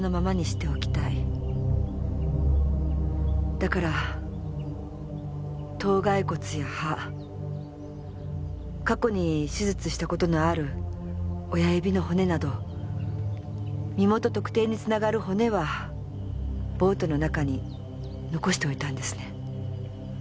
だから頭蓋骨や歯過去に手術した事のある親指の骨など身元特定に繋がる骨はボートの中に残しておいたんですね。